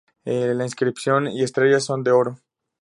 La Inscripción y estrellas son de oro.